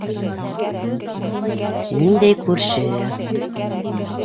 Ниндәй күрше...